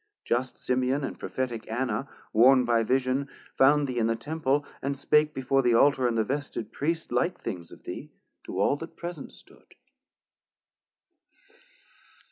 Just Simeon and Prophetic Anna, warn'd By Vision, found thee in the Temple, and spake Before the Altar and the vested Priest, Like things of thee to all that present stood.